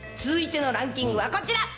続いてのランキングはこちら。